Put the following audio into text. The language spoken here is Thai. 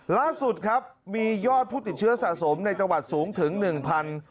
ล่าสุดครับมียอดผู้ติดเชื้อสะสมในจังหวัดสูงถึงหนึ่งพัน